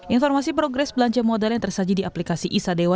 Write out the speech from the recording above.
informasi progres belanja modal yang tersaji di aplikasi isa dewa